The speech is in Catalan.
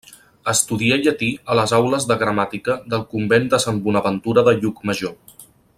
Estudià llatí a les aules de gramàtica del Convent de Sant Bonaventura de Llucmajor.